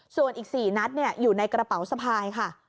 ส่วนอีก๔นัดอยู่ในกระเป๋าสะพายค่ะ